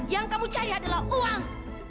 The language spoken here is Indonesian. yang kamu cari adalah uang